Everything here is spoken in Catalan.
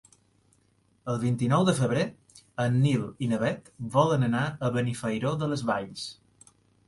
El vint-i-nou de febrer en Nil i na Bet volen anar a Benifairó de les Valls.